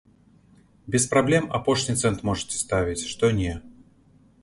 Без праблем апошні цэнт можаце ставіць, што не.